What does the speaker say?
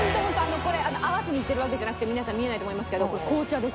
これ合わせにいってるわけじゃなくて皆さん見えないと思いますけどこれ紅茶です。